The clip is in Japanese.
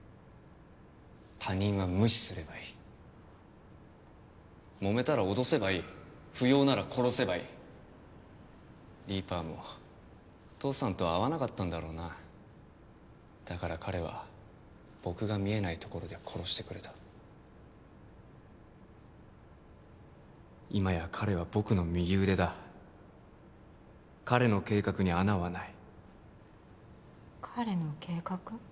他人は無視すればいいモメたら脅せばいい不要なら殺せばいいリーパーも父さんとは合わなかったんだろうなだから彼は僕が見えないところで殺してくれた今や彼は僕の右腕だ彼の計画に穴はない彼の計画？